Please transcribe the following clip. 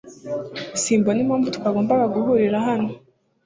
Simbona impamvu twagombaga guhurira hano.